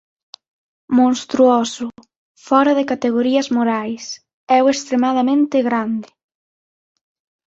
Monstruoso, fóra de categorías morais, é o extremadamente grande.